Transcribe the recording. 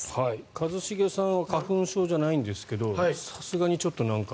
一茂さんは花粉症じゃないんですけどさすがにちょっと、なんか。